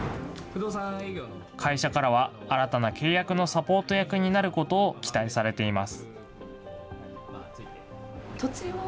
会社からは、新たな契約のサポート役になることを期待されています。